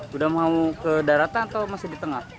sudah mau ke daratan atau masih di tengah